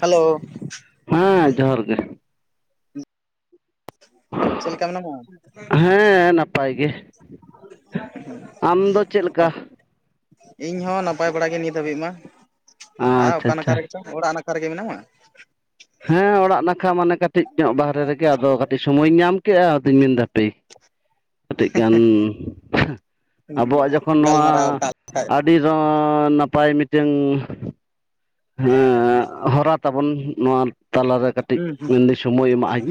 Hello, ᱦᱮᱸ ᱡᱚᱦᱟᱨ ᱜᱮ᱾ ᱪᱮᱫ ᱞᱮᱠᱟ ᱢᱮᱱᱟᱢᱟ᱾ ᱦᱮᱸ ᱱᱟᱯᱟᱭ ᱜᱮ, ᱟᱢ ᱫᱚ ᱪᱮᱫ ᱞᱮᱠᱟ᱾ ᱤᱧ ᱦᱚᱸ ᱱᱟᱯᱟᱭ ᱵᱟᱲᱟ ᱜᱮ ᱱᱤᱛ ᱦᱟᱹᱵᱤᱡ ᱢᱟ ᱟᱨ ᱟᱪᱪᱷᱟ ᱚᱠᱟ ᱱᱟᱠᱷᱟ ᱟᱪᱪᱷᱟ ᱨᱮ ᱪᱚ, ᱚᱲᱟᱜ ᱱᱟᱠᱷᱟ ᱨᱮᱜᱮ ᱢᱮᱱᱟᱜ ᱢᱟ᱾ ᱦᱮᱸ ᱚᱲᱟᱜ ᱱᱟᱠᱷᱟ ᱢᱟᱱᱮ ᱠᱟᱹᱴᱤᱡ ᱧᱚᱜ ᱵᱟᱦᱨᱮ ᱨᱮᱜᱮ ᱟᱫᱚ ᱠᱟᱹᱴᱤᱡ ᱥᱚᱢᱚᱭᱤᱧ ᱧᱟᱢ ᱠᱮᱫᱼᱟ ᱟᱫᱚᱧ ᱢᱮᱱᱫᱟ ᱯᱮ᱾ ᱠᱟᱹᱴᱤᱡ ᱜᱟᱱ, ᱟᱵᱚᱣᱟᱜ ᱡᱚᱠᱷᱚᱱ ᱱᱚᱣᱟ ᱜᱟᱞᱢᱟᱨᱟᱣ ᱠᱟᱜ ᱞᱮᱠᱷᱟᱡ ᱟᱹᱰᱤ ᱱᱟᱯᱟᱭ ᱢᱤᱴᱮᱱ, ᱦᱮᱸ ᱦᱚᱨᱟ ᱛᱟᱵᱚᱱ ᱱᱚᱣᱟ, ᱛᱟᱞᱟᱨᱮ ᱠᱟᱹᱴᱤᱡ ᱦᱩᱸ ᱦᱩᱸ ᱢᱮᱱᱫᱟᱹᱧ ᱥᱚᱢᱚᱭ ᱮᱢᱟᱜ ᱟᱹᱧ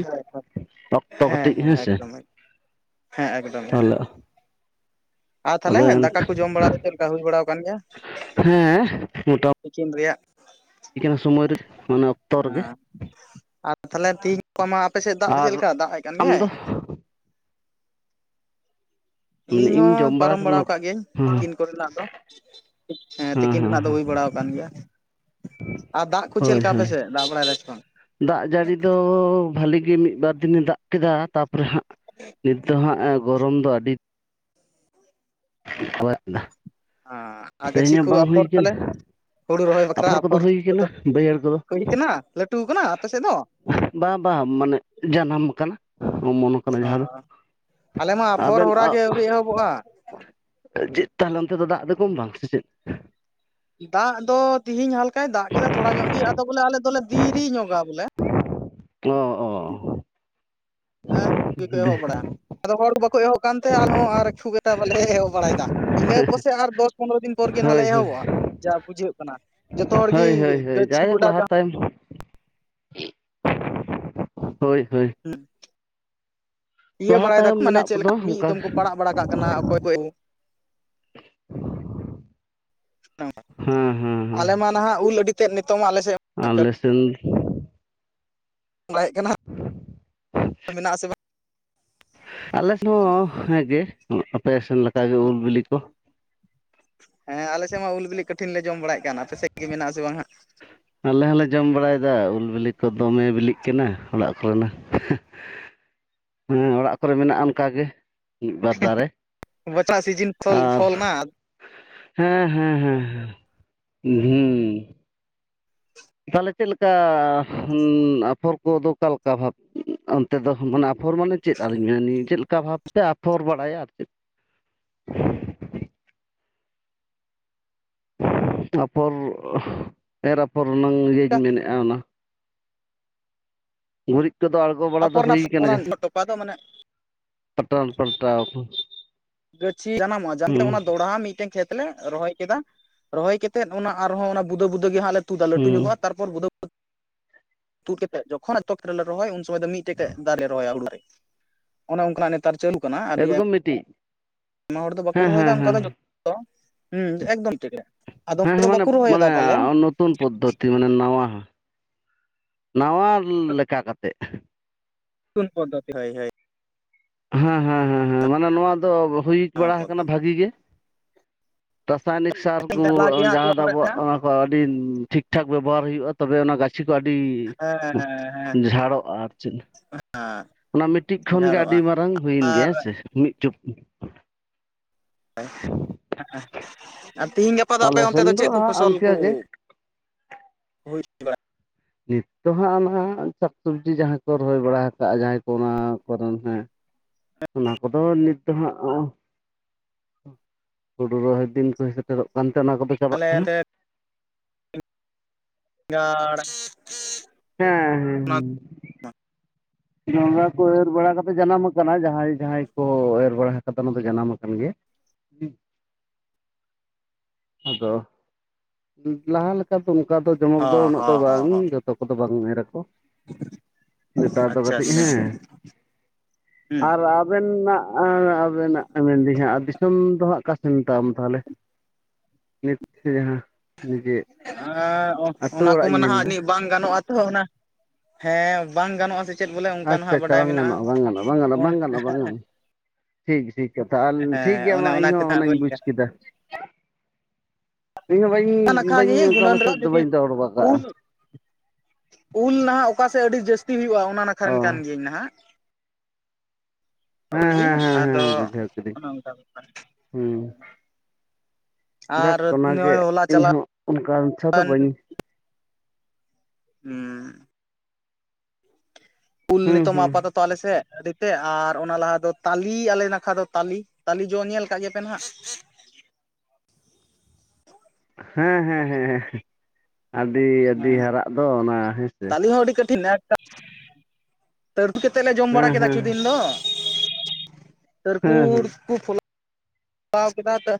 ᱚᱠᱛᱚ ᱦᱮᱸ ᱠᱟᱹᱴᱤᱡ ᱦᱮᱸ ᱦᱮᱸᱥᱮ, ᱮᱠᱫᱚᱢ ᱦᱮᱸ ᱮᱠᱫᱚᱢ ᱮᱠᱫᱚᱢ᱾ ᱛᱟᱦᱚᱞᱮ ᱟᱨ ᱛᱟᱦᱟᱞᱮ ᱟᱫᱚ ᱫᱟᱠᱟ ᱠᱚ ᱡᱚᱢ ᱵᱟᱲᱟ ᱫᱚ ᱪᱮᱫ ᱞᱮᱠᱟ ᱦᱩᱭ ᱵᱟᱲᱟ ᱟᱠᱟᱱ ᱜᱮᱭᱟ᱾ ᱦᱮᱸ ᱛᱤᱠᱤᱱ ᱨᱮᱭᱟᱜ᱾ ᱛᱤᱠᱤᱱ ᱥᱚᱢᱟᱨ, ᱚᱱᱮ ᱚᱠᱛᱚ ᱨᱮᱜᱮ ᱦᱮᱸ ᱾ ᱟᱨ ᱛᱟᱦᱚᱞᱮ ᱛᱮᱦᱤᱧ ᱜᱟᱯᱟ ᱢᱟ ᱟᱯᱮ ᱥᱮᱫ ᱫᱟᱜ ᱫᱚ ᱟᱨ ᱪᱮᱫ ᱞᱮᱠᱟ ᱫᱟᱜ ᱮ ᱠᱟᱱ ᱟᱢ ᱜᱮᱭᱟᱭ᱾ ᱫᱚ ᱢᱟᱱᱮ ᱤᱧ ᱦᱚᱸ ᱡᱚᱢ ᱯᱟᱨᱚᱢ ᱠᱟᱱᱟ ᱵᱟᱲᱟ ᱠᱟᱫ ᱜᱤᱭᱟᱹᱧ ᱦᱮᱸ ᱛᱤᱠᱤᱱ ᱠᱚᱨᱮᱱᱟᱜ ᱫᱚ᱾ ᱦᱮᱸ ᱛᱤᱠᱤᱱ ᱨᱮᱱᱟᱜ ᱫᱚ ᱦᱩᱭ ᱵᱟᱲᱟᱣ ᱠᱟᱱ ᱜᱮᱭᱟ᱾ ᱟᱨ ᱫᱟᱜ ᱠᱚ ᱪᱮᱫ ᱦᱳᱭ ᱞᱮᱠᱟ ᱦᱳᱭ ᱟᱯᱮᱥᱮ ᱫᱟᱜ ᱵᱟᱲᱟᱭ ᱫᱟ ᱥᱮ ᱵᱟᱝ᱾ ᱫᱟᱜ ᱡᱟᱹᱲᱤ ᱫᱚ ᱵᱟᱹᱞᱤ ᱜᱮ ᱢᱤᱫᱵᱟᱨ ᱫᱤᱱᱮ ᱫᱟᱜ ᱠᱮᱫᱟ ᱛᱟᱯᱚᱨ, ᱛᱟᱯᱚᱨᱮ ᱦᱟᱸᱜ, ᱱᱤᱛ ᱫᱚ ᱦᱟᱸᱜ ᱜᱚᱨᱚᱢ ᱫᱚ ᱟᱹᱰᱤ ᱦᱳᱭᱱᱟ, ᱟᱨ ᱜᱟᱹᱪᱷᱤ ᱛᱮᱦᱮᱧᱚᱜ ᱠᱚ ᱵᱟᱝ ᱦᱩᱭ ᱟᱯᱷᱚᱨ ᱠᱟᱱᱟ᱾ ᱛᱟᱞᱮ ᱦᱩᱲᱩ ᱨᱚᱦᱚᱭ ᱵᱟᱠᱷᱨᱟ ᱟᱯᱷᱚᱨ ᱦᱩᱭ ᱠᱟᱱᱟ ᱠᱚᱫᱚ ᱵᱟᱹᱭᱦᱟᱹᱲ ᱠᱚᱫᱚ ᱠᱟᱹᱲᱤ ᱠᱟᱱᱟ ᱞᱟᱹᱴᱩ ᱠᱟᱱᱟ ᱟᱯᱮ ᱥᱮᱫ ᱫᱚ᱾ ᱵᱟᱝᱟ ᱵᱟᱝ ᱢᱟᱱᱮ ᱡᱟᱱᱟᱢ ᱟᱠᱟᱱᱟ ᱚᱢᱚᱱᱚᱜ, ᱚ ᱡᱟᱦᱟᱸ ᱫᱚ ᱟᱞᱮ ᱢᱟ ᱟᱯᱷᱚᱨ ᱟᱵᱮᱱ ᱦᱚᱨᱟ -ᱟᱜ ᱜᱮ ᱟᱹᱣᱨᱤ ᱮᱦᱚᱵᱚᱜᱼᱟ ᱪᱮᱫ ᱛᱟᱦᱚᱞᱮ ᱚᱱᱛᱮ ᱫᱚ ᱫᱟᱜ ᱫᱚ ᱠᱚᱢ ᱵᱟᱝ ᱥᱮ ᱪᱮᱫ ᱫᱟᱜ ᱫᱚ ᱛᱤᱦᱤᱧ ᱦᱟᱞᱠᱟᱭ ᱫᱟᱜ ᱠᱮᱫᱟ ᱛᱷᱚᱲᱟ ᱧᱚᱜ ᱜᱮ ᱟᱫᱚ ᱵᱚᱞᱮ ᱟᱞᱮ ᱫᱚᱞᱮ ᱫᱮᱨᱤ ᱧᱚᱜᱟ ᱵᱚᱞᱮ, ᱚ ᱚ ᱚ ᱮᱸ ᱪᱤᱠᱟᱹ ᱮᱦᱚᱵ ᱵᱟᱲᱟᱭᱟ ᱟᱫᱚ ᱦᱚᱲ ᱠᱚ ᱵᱟᱠᱚ ᱮᱦᱚᱵ ᱠᱟᱱ ᱛᱮ ᱟᱞᱮ ᱦᱚᱸ ᱟᱨ ᱠᱷᱩᱵ ᱮᱠᱴᱟ ᱵᱟᱞᱮ ᱮᱦᱚᱵ ᱵᱟᱲᱟᱭᱮᱫᱟ᱾ ᱤᱱᱟᱹ ᱯᱟᱥᱮ ᱟᱨ ᱫᱚᱥ ᱯᱚᱱᱨᱚ ᱫᱤᱱ ᱯᱚᱨ ᱜᱮ ᱱᱜᱟᱸᱜ ᱦᱳᱭ ᱞᱮ ᱦᱳᱭ ᱮᱦᱚᱵᱚᱜᱼᱟ ᱡᱟ ᱵᱩᱡᱷᱟᱹᱜ ᱠᱟᱱᱟ, ᱡᱚᱛᱚ ᱦᱚᱲ ᱜᱮ ᱦᱳᱭ ᱦᱳᱭ ᱦᱳᱭ ᱜᱟᱹᱪᱷᱤ ᱡᱟᱭᱦᱳᱠ ᱜᱚᱰᱟ ᱞᱟᱦᱟ ᱛᱟᱭ ᱦᱳᱭ ᱦᱳᱭ ᱦᱮᱸ ᱤᱭᱟᱹ ᱞᱟᱦᱟ ᱵᱟᱲᱟᱭ ᱫᱟᱠᱚ ᱛᱟᱭᱚᱢ ᱢᱟᱱᱮ ᱢᱮᱱᱟᱜ ᱪᱮᱫ ᱵᱚᱱᱟ ᱞᱮᱠᱟ ᱢᱤᱫ ᱚᱱᱠᱟ ᱫᱚᱢ ᱠᱚ ᱯᱟᱲᱟᱜ ᱵᱟᱲᱟ ᱠᱟᱜ ᱠᱟᱱᱟ ᱚᱠᱚᱭ ᱠᱚ, [inaudible] ᱦᱮᱸ ᱦᱮᱸ ᱟᱞᱮ ᱢᱟ ᱱᱟᱦᱟᱜ ᱩᱞ ᱟᱹᱰᱤ ᱛᱮᱫ ᱱᱤᱛᱚᱝ ᱢᱟ ᱟᱞᱮ ᱥᱮᱫ, ᱠᱟᱹᱴᱩᱵ ᱟᱞᱮᱥᱮᱱ ᱵᱟᱲᱟᱭᱮᱫ ᱠᱟᱱᱟ ᱢᱮᱱᱟᱜ-ᱟ ᱥᱮ ᱵᱟᱝ ᱟᱞᱮᱥᱮᱫ ᱡᱚᱝ ᱦᱚᱸ ᱦᱮᱸᱜᱮ ᱟᱯᱮ ᱥᱮᱱ ᱞᱮᱠᱟᱜᱮ ᱩᱞ ᱵᱤᱞᱤ ᱠᱚ ᱦᱮᱸ ᱟᱞᱮ ᱥᱮᱫ ᱢᱟ ᱩᱞ ᱵᱤᱞᱤ ᱠᱚᱴᱷᱤᱱ ᱞᱮ ᱡᱚᱢ ᱵᱟᱲᱟᱭ ᱠᱟᱱ ᱟᱯᱮᱫ ᱜᱮ ᱢᱮᱱᱟᱜᱼᱟ ᱟᱥᱮ ᱵᱟᱝ ᱦᱟᱸᱜ, ᱟᱞᱮ ᱦᱚᱸᱞᱮ ᱡᱚᱢ ᱵᱟᱲᱟᱭᱮᱫᱟ ᱩᱞ ᱵᱤᱞᱤ ᱠᱚ ᱫᱚᱢᱮ ᱵᱤᱞᱤᱜ ᱠᱟᱱᱟ ᱚᱲᱟᱜ ᱠᱚᱨᱮᱱᱟᱜ ᱦᱮᱸ ᱚᱲᱟᱜ ᱠᱚᱨᱮ ᱢᱮᱱᱟᱜᱼᱟ ᱚᱱᱠᱟᱜ ᱜᱮ ᱢᱤᱫ ᱵᱟᱨ ᱫᱟᱨᱮ ᱵᱚᱪᱟᱜ ᱥᱤᱡᱤᱱ ᱯᱷᱚᱞ ᱟᱨ ᱯᱷᱚᱞ ᱱᱟ ᱦᱮᱸ ᱦᱮᱸ ᱦᱮᱸ ᱦᱩᱸ ᱛᱟᱦᱚᱞᱮ ᱪᱮᱫ ᱞᱮᱠᱟ ᱟᱯᱷᱚᱨ ᱠᱚᱫᱚ ᱚᱠᱟᱞᱮᱠᱟ ᱵᱷᱟᱵᱽ ᱛᱮᱫᱚ ᱢᱟᱱᱮ ᱟᱯᱷᱚᱨ ᱢᱟᱱᱮ ᱪᱮᱫ ᱟᱹᱞᱤᱧ ᱢᱮ ᱪᱮᱫ ᱞᱮᱠᱟ ᱵᱷᱟᱵᱛᱮ ᱟᱯᱷᱚᱨ ᱵᱟᱲᱟᱭᱟ ᱟᱨ ᱪᱮᱫ, [unintelligible] ᱟᱯᱚᱨ ᱮᱨ ᱟᱯᱚᱨ ᱨᱮᱱᱟᱝ ᱤᱭᱟᱹᱧ ᱢᱮᱱᱮᱫᱼᱟ ᱚᱱᱟ, ᱜᱩᱨᱤᱡ ᱠᱚᱫᱚ ᱟᱬᱜᱚ ᱵᱟᱲᱟ ᱫᱚ ᱟᱯᱷᱚᱨ ᱨᱮᱱᱟᱜ ᱦᱩᱭ ᱠᱟᱱᱟ ᱚᱱᱟ ᱴᱚᱯᱟ ᱫᱚ ᱢᱟᱱᱮ ᱯᱟᱴᱟᱞ ᱯᱟᱞᱴᱟᱣ ᱟᱠᱟᱱᱟ, ᱜᱟᱹᱪᱷᱤ ᱡᱟᱱᱟᱢ ᱚᱜ-ᱟ ᱚᱱᱟ ᱫᱚᱲᱦᱟ ᱢᱤᱫᱴᱮᱱ ᱠᱷᱮᱛ ᱛᱮᱞᱮ ᱨᱚᱦᱚᱭ ᱠᱮᱫᱟ ᱨᱚᱦᱚᱭ ᱠᱟᱛᱮᱫ ᱚᱱᱟ ᱟᱨᱦᱚᱸ ᱚᱱᱟ ᱵᱩᱫᱟᱹ ᱵᱩᱫᱟᱹ ᱜᱮ ᱦᱟᱸᱜ ᱞᱮ ᱛᱩᱫᱟ ᱞᱟᱹᱴᱩ ᱦᱩᱸ ᱧᱚᱜᱚᱜᱼᱟ, ᱛᱟᱨᱯᱚᱨ ᱵᱩᱫᱟᱹ ᱵᱩᱫᱟᱹ ᱛᱩᱫ ᱠᱮᱛᱮᱫ ᱡᱚᱠᱷᱚᱱ ᱮᱛᱚ ᱠᱮᱞ ᱨᱮ ᱨᱚᱦᱚᱭ ᱩᱱ ᱥᱚᱢᱚᱭ ᱫᱚ ᱢᱤᱫᱴᱮᱡ ᱫᱟᱨᱮ ᱨᱚᱦᱚᱭᱟ ᱩᱲᱟᱜᱟᱨ ᱚᱱᱮ ᱚᱱᱠᱟᱱᱟᱜ ᱱᱮᱛᱟᱨ ᱪᱟᱹᱞᱩ ᱠᱟᱱᱟ ᱟᱹᱰᱤ ᱟᱭᱢᱟ, ᱮᱠᱫᱚᱢ ᱢᱤᱫᱴᱤᱡ ᱟᱭᱢᱟ ᱦᱚᱲ ᱫᱚ ᱵᱟᱠᱚ ᱦᱮᱸ ᱨᱚᱦᱚᱭᱮᱫᱟ ᱦᱮᱸ ᱚᱱᱠᱟ ᱦᱮᱸ ᱫᱚ ᱡᱚᱛᱚ ᱦᱮᱸ ᱮᱠᱫᱚᱢ ᱴᱤᱠ ᱟᱫᱚ ᱦᱮᱸ ᱚᱸᱰᱮ ᱦᱮᱸ ᱫᱚ ᱢᱟᱱᱮ ᱵᱟᱠᱚ ᱨᱚᱦᱚᱭᱮᱫᱟ ᱢᱟᱱᱮ ᱯᱟᱞᱮ, ᱱᱚᱛᱩᱱ ᱯᱚᱫᱽᱫᱷᱚᱛᱤ ᱢᱟᱱᱮ ᱱᱟᱣᱟ, ᱱᱟᱣᱟ ᱞᱮᱠᱟ ᱠᱟᱛᱮᱜ ᱱᱚᱛᱩᱱ ᱯᱚᱫᱽᱫᱷᱚᱛᱤ ᱦᱳᱭ ᱦᱳᱭ ᱦᱮᱸ ᱦᱮᱸ ᱦᱮᱸ ᱦᱮᱸ ᱢᱟᱱᱮ ᱱᱚᱣᱟ ᱫᱚ ᱦᱩᱭ ᱱᱟᱣᱟ ᱵᱟᱲᱟ ᱟᱠᱟᱱᱟ ᱯᱚᱫᱽᱫᱷᱚᱛᱤ ᱵᱷᱟᱜᱤ ᱜᱮ, ᱨᱟᱥᱟᱭᱱᱤᱠ ᱥᱟᱨ ᱠᱩ ᱦᱮᱸ ᱡᱟᱦᱟᱸ ᱫᱚ ᱟᱵᱚᱣᱟᱜ ᱦᱮᱸ ᱚᱱᱟ ᱠᱚ ᱟᱹᱰᱤ ᱴᱷᱤᱠ ᱴᱷᱟᱠ ᱵᱮᱵᱚᱦᱟᱨ ᱦᱩᱭᱩᱜᱼᱟ ᱛᱚᱵᱮ ᱚᱱᱟ ᱜᱟᱹᱪᱷᱤ ᱠᱚ ᱟᱹᱰᱤ ᱡᱷᱟᱲᱚᱜᱼᱟ ᱟᱨ ᱪᱮᱫ, ᱟ ᱚᱱᱟ ᱢᱤᱫᱴᱤᱡ ᱠᱷᱚᱱ ᱜᱮ ᱟᱹᱰᱤ ᱢᱟᱨᱟᱝ ᱦᱩᱭᱮᱱ ᱜᱮᱭᱟ ᱦᱮᱸᱥᱮ ᱢᱤᱫ ᱪᱩᱯ ᱟᱨ ᱛᱤᱦᱤᱧ ᱜᱟᱯᱟ ᱫᱚ ᱟᱯᱮ ᱟᱞᱮ ᱚᱱᱛᱮ ᱫᱚ ᱥᱮᱱ ᱪᱮᱫ ᱠᱚ ᱦᱟᱸᱜ ᱯᱷᱚᱥᱚᱞ ᱤᱱᱠᱟᱹ ᱠᱩ ᱜᱮ ᱦᱩᱭ [inaudible] ᱱᱤᱛ ᱫᱚ ᱦᱟᱸᱜ ᱚᱱᱟ ᱥᱟᱠᱥᱚᱵᱽᱡᱤ ᱡᱟᱦᱟᱸᱭ ᱠᱚ ᱨᱚᱦᱚᱭ ᱵᱟᱲᱟ ᱟᱠᱟᱜ ᱡᱟᱦᱟᱸᱭ ᱠᱚ ᱚᱱᱟ ᱠᱚᱨᱮᱱ ᱦᱟᱸᱜ᱾ ᱚᱱᱟ ᱠᱚᱫᱚ ᱱᱤᱛ ᱫᱚ ᱦᱟᱸᱜ ᱦᱚᱸᱜ-ᱚ ᱦᱩᱲᱩ ᱨᱚᱦᱚᱭ, ᱫᱤᱱ ᱠᱚ ᱥᱮᱴᱮᱨᱚᱜ ᱠᱟᱱᱛᱮ ᱚᱱᱟ ᱠᱚᱫᱚ ᱪᱟᱵᱟᱜ ᱠᱟᱱᱟ, ᱜᱟᱲ ᱦᱮᱸ ᱦᱮᱸ ᱦᱮᱸ ᱡᱚᱸᱰᱨᱟ ᱠᱚ ᱮᱨ ᱵᱟᱲᱟ ᱠᱟᱛᱮᱫ ᱡᱟᱱᱟᱢ ᱟᱠᱟᱱᱟ ᱡᱟᱦᱟᱸᱭ ᱡᱟᱦᱟᱸᱭ ᱠᱚ ᱮᱨ ᱵᱟᱲᱟ ᱠᱟᱫᱟ ᱚᱱᱟ ᱫᱚ ᱡᱟᱱᱟᱢ ᱟᱠᱟᱱ ᱜᱮᱭᱟ᱾ ᱟᱫᱚ ᱞᱟᱦᱟ ᱞᱮᱠᱟ ᱚᱱᱠᱟ ᱫᱚ ᱡᱚᱢᱚᱠ ᱫᱚ ᱩᱱᱟᱹᱜ ᱫᱚ ᱵᱟᱝ ᱦᱚᱸ ᱡᱚᱛᱚ ᱠᱚᱫᱚ ᱵᱟᱝ ᱮᱨᱟᱠᱚ [unintelligible] ᱦᱚᱸ ᱱᱮᱛᱟᱨ ᱦᱚᱸ ᱫᱚ ᱟᱪᱪᱷᱟ ᱠᱟᱹᱴᱤᱡ ᱟᱪᱪᱷᱟ ᱦᱮᱸ [inaudible] ᱟᱨ ᱟᱵᱮᱱᱟᱜ ᱟᱵᱮᱱᱟᱜ ᱢᱮᱱᱫᱟᱹᱧ ᱦᱟᱸᱜ ᱫᱤᱥᱚᱢ ᱫᱚ ᱦᱟᱸᱜ ᱚᱠᱟ ᱥᱮᱱ ᱛᱟᱢ ᱛᱟᱦᱞᱮ? ᱱᱤᱛ ᱡᱟᱦᱟᱸ ᱱᱤᱡᱮ ᱦᱮᱸ, ᱟᱹᱛᱩ ᱚᱱᱟ ᱚᱲᱟᱜ ᱠᱚᱢᱟ ᱤᱧ ᱱᱟᱦᱟᱜ ᱢᱮᱱᱫᱟ ᱟᱹᱱᱤᱡ ᱵᱟᱝ ᱜᱟᱱᱚᱜᱼᱟ᱾ ᱦᱮᱸ ᱚᱱᱟ, ᱦᱮᱸ ᱵᱟᱝ ᱜᱟᱱᱚᱜᱼᱟ ᱥᱮ ᱪᱮᱫ ᱵᱚᱞᱮ ᱚᱱᱠᱟ ᱟᱪᱪᱷᱟ ᱱᱟᱦᱟᱜ ᱟᱪᱪᱷᱟ ᱵᱟᱰᱟᱭ ᱵᱟᱝ ᱢᱮᱱᱟᱜᱼᱟ ᱜᱟᱱᱚᱜᱼᱟ ᱵᱟᱝ ᱜᱟᱱᱚᱜᱼᱟ ᱵᱟᱝ ᱜᱟᱱᱚᱜᱼᱟ ᱚᱱ ᱵᱟᱝ ᱜᱟᱱᱚᱜᱼᱟ ᱵᱟᱝ ᱜᱟᱱᱚᱜᱼᱟ᱾ ᱴᱷᱤᱠ ᱴᱷᱤᱠ ᱠᱟᱛᱷᱟ ᱟᱨ ᱴᱷᱤᱠ ᱦᱮᱸ ᱜᱮᱭᱟ ᱚᱱᱮ ᱢᱟ ᱚᱱᱟ ᱜᱮ ᱤᱧᱦᱚᱸ ᱱᱟᱦᱟᱜ ᱚᱱᱟᱧ ᱵᱟᱹᱧ ᱵᱩᱡᱽ ᱠᱮᱫᱟ᱾ ᱤᱧᱦᱚᱸ ᱵᱟᱹᱧ ᱚᱱᱠᱟ ᱱᱟᱠᱷᱟ ᱜᱮ ᱵᱟᱹᱧ ᱚᱱᱠᱟ ᱜᱩᱱᱟᱹᱱ ᱢᱟᱪᱷᱟ ᱨᱮ ᱫᱚ ᱡᱩᱫᱤ ᱵᱟᱹᱧ ᱨᱚᱲ ᱠᱟᱜᱼᱟ ᱩᱞ ᱩᱞ ᱱᱟᱦᱟᱜ ᱚᱠᱟᱥᱮᱫ ᱟᱹᱰᱤ ᱡᱟᱹᱥᱛᱤ ᱦᱩᱭᱩᱜᱼᱟ ᱚᱱᱟ ᱱᱟᱠᱷᱟ ᱚ ᱨᱮᱱ ᱠᱟᱱ ᱜᱤᱭᱟᱹᱧ ᱱᱟᱦᱟᱜ᱾ ᱩᱱ ᱦᱮᱸ ᱜᱮᱧ ᱦᱮᱸ ᱦᱮᱸ ᱟᱫᱚ ᱚᱱᱮ ᱚᱝᱠᱟ ᱵᱮᱯᱟᱨ᱾ ᱦᱩᱸ᱾ ᱟᱨ ᱵᱤᱨᱟᱴ ᱚᱱᱟ ᱜᱮ ᱱᱚᱜᱼᱚᱭ ᱦᱚᱞᱟ ᱤᱧ ᱪᱟᱞᱟᱣ ᱦᱚᱸ ᱚᱱᱠᱟ ᱪᱷᱟ ᱫᱚ ᱮᱱ ᱵᱟᱹᱧ ᱦᱩᱸ ᱩᱞ ᱦᱩᱸ ᱱᱤᱛᱚᱜ ᱢᱟ ᱦᱩᱸ ᱟᱯᱟᱛᱚᱛᱚ ᱟᱞᱮᱥᱮᱫ ᱟᱹᱰᱤ ᱛᱮ ᱟᱨ ᱚᱱᱟ ᱞᱟᱦᱟ ᱫᱚ ᱛᱟᱞᱤ ᱟᱞᱮ ᱱᱟᱠᱷᱟ ᱫᱚ ᱛᱟᱞᱤ ᱛᱟᱞᱮ ᱡᱚ ᱧᱮᱞ ᱠᱟᱜ ᱜᱮᱯᱮ ᱱᱟᱦᱟᱜ ᱦᱮᱸ ᱦᱮᱸ ᱦᱮᱸ, ᱟᱹᱰᱤ ᱟᱹᱰᱤ ᱦᱟᱨᱟᱜ ᱫᱚ ᱚᱱᱟ ᱦᱮᱸ ᱥᱮ᱾ ᱟᱞᱮ ᱦᱚᱸ ᱟᱹᱰᱤ ᱠᱟᱴᱷᱤᱱ ᱛᱟᱹᱨᱠᱩ ᱠᱟᱛᱮᱫ ᱞᱮ ᱡᱚᱢ ᱵᱟᱲᱟ ᱦᱮᱸ ᱠᱮᱫᱟ ᱦᱮᱸ ᱠᱤᱪᱷᱩ ᱫᱤᱱ ᱫᱚ᱾ ᱦᱮᱸ ᱛᱟᱹᱨᱠᱩᱲ ᱦᱮᱸ ᱠᱚ ᱯᱷᱚᱞᱟᱣ ᱠᱮᱫᱟ ᱛᱚ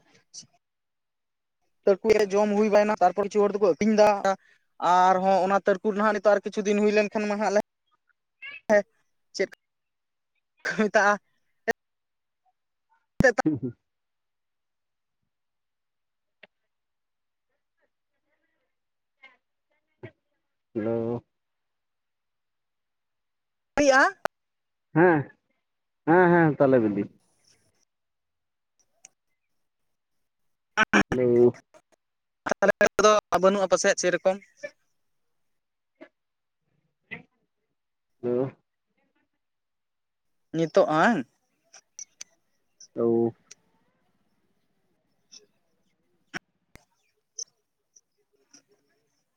ᱛᱟᱹᱲᱠᱩ ᱡᱚᱢ ᱦᱩᱭ ᱵᱟᱲᱟᱭᱱᱟ ᱛᱟᱨᱯᱚᱨ ᱠᱤᱪᱷᱩ ᱦᱚᱲ ᱫᱚᱠᱚ ᱟᱹᱛᱤᱧᱫᱟ ᱟᱨᱦᱚᱸ ᱚᱱᱟ ᱛᱟᱹᱨᱠᱩᱨ ᱱᱟᱦᱟᱜ ᱱᱤᱛᱚᱜ ᱟᱨ ᱠᱤᱪᱷᱩ ᱫᱤᱱ ᱦᱩᱭ ᱞᱮᱱᱠᱷᱟᱱ ᱢᱟ ᱦᱟᱸᱜ ᱞᱮ ᱦᱮᱸ ᱪᱮᱫ ᱠᱚ ᱢᱮᱛᱟᱜᱼᱟ ᱦᱩᱸ ᱦᱩᱸ ᱦᱮᱞᱳᱻ ᱟᱭᱟ ᱦᱮᱸ, ᱦᱮᱸ ᱦᱮᱸ ᱛᱟᱦᱚᱞᱮ ᱵᱤᱞᱤ᱾ ᱟᱸᱻ ᱦᱮᱞᱳ ᱛᱟᱞᱮ ᱫᱚ ᱵᱟᱹᱱᱩᱜᱼᱟ ᱯᱟᱥᱮᱡ ᱥᱮ ᱨᱚᱠᱚᱢ ᱦᱮᱞᱳ ᱱᱤᱛᱚᱜ ᱵᱟᱝ? ᱦᱮᱞᱳ